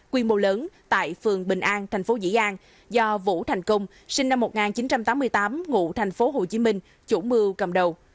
quy mô lớn tại phường bình an thành phố dĩ an do vũ thành cung sinh năm một nghìn chín trăm tám mươi tám ngụ thành phố hồ chí minh chủ mưu cầm đầu